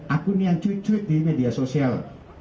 akun yang cuit cuit di media sosial